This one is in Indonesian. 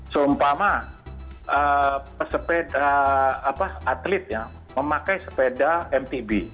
seumpama sepeda atletnya memakai sepeda mtb